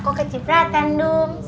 aku kecipratan dum